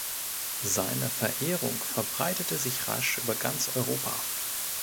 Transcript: Seine Verehrung verbreitete sich rasch über ganz Europa.